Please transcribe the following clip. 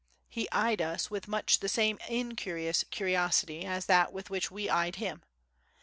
He eyed us with much the same incurious curiosity as that with which we eyed him.